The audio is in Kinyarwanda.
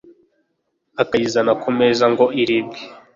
akayizana ku meza ngo iribwe.